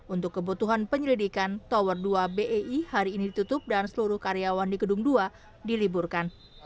untuk kebutuhan penyelidikan tower dua bei hari ini ditutup dan seluruh karyawan di gedung dua diliburkan